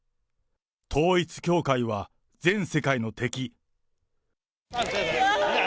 統一教会は全世界の敵。